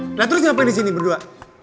nah terus ngapain di sini berdua